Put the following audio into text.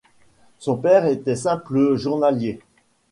Son père était simple journalier.